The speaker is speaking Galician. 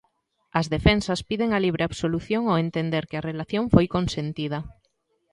As defensas piden a libre absolución ao entender que a relación foi consentida.